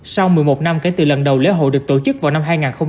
sau một mươi một năm kể từ lần đầu lễ hội được tổ chức vào năm hai nghìn một mươi